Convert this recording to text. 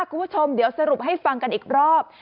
คุณผู้ชมเดี๋ยวสรุปให้ฟังกันอีกรอบ